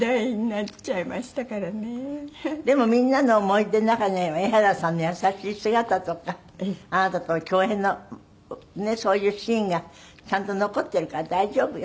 でもみんなの思い出の中には江原さんの優しい姿とかあなたとの共演のそういうシーンがちゃんと残ってるから大丈夫よ。